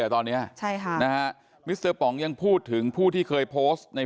แต่ตอนนี้ใช่ค่ะนะฮะมิสเตอร์ป๋องยังพูดถึงผู้ที่เคยโพสต์ใน